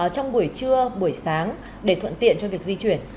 trong buổi trưa buổi sáng để thuận tiện cho việc di chuyển